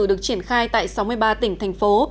được triển khai tại sáu mươi ba tỉnh thành phố